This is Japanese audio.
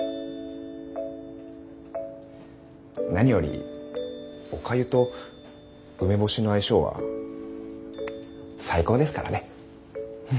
何よりおかゆと梅干しの相性は最高ですからね。